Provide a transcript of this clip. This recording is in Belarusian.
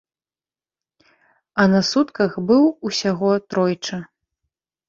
А на сутках быў усяго тройчы.